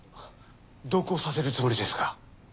同行させるつもりですか？